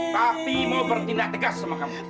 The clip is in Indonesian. tapi mau bertindak tegas sama kamu